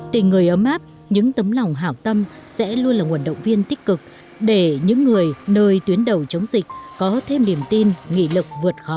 tình người ấm áp những tấm lòng hảo tâm sẽ luôn là nguồn động viên tích cực để những người nơi tuyến đầu chống dịch có thêm niềm tin nghị lực vượt khó